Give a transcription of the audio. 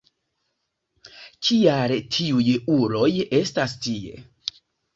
Kial tiuj uloj estas tie?